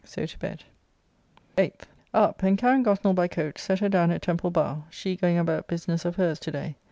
So to bed. 8th. Up, and carrying Gosnell by coach, set her down at Temple Barr, she going about business of hers today.